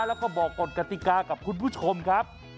แล้วก็บอกกฎกติกากับคุณผู้ชมครับ